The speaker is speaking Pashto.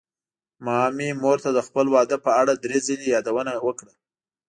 ما مې مور ته د خپل واده په اړه دری ځلې يادوونه وکړه.